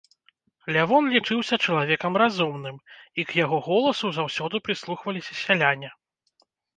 Лявон лічыўся чалавекам разумным, і к яго голасу заўсёды прыслухваліся сяляне.